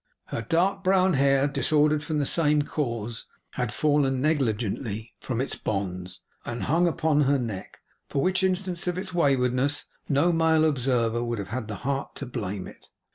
Her dark brown hair, disordered from the same cause, had fallen negligently from its bonds, and hung upon her neck; for which instance of its waywardness no male observer would have had the heart to blame it.